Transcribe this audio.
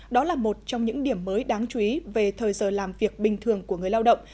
đó là một trong những điểm mới đáng chú ý về thời giờ làm việc bình thường của người lao động